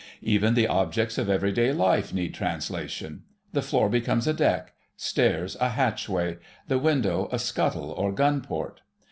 Even the objects of everyday life need translation. The floor becomes a deck, stairs a hatchway, the window a scuttle or gun port.